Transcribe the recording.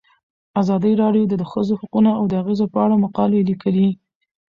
ازادي راډیو د د ښځو حقونه د اغیزو په اړه مقالو لیکلي.